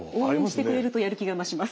応援してくれるとやる気が増します。